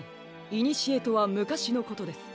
いにしえとはむかしのことです。